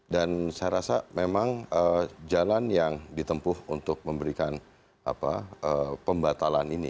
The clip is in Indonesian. dan saya rasa memang jalan yang ditempuh untuk memberikan pembatalan ini